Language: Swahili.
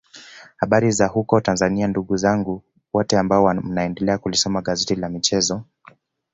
Habari za huko Tanzania ndugu zangu wote ambao mnaendelea kulisoma gazeti la michezo